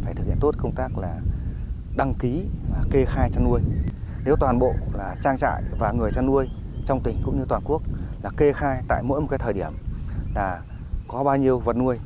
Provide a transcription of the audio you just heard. phải thực hiện tốt công tác là đăng ký và kê khai chăn nuôi nếu toàn bộ trang trại và người chăn nuôi trong tỉnh cũng như toàn quốc là kê khai tại mỗi một cái thời điểm là có bao nhiêu vật nuôi